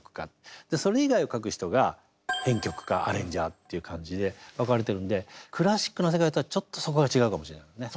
それ以外を書く人が編曲家アレンジャーっていう感じで分かれてるんでクラシックの世界とはちょっとそこが違うかもしれないですね。